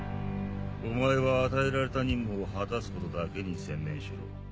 お前は与えられた任務を果たすことだけに専念しろ。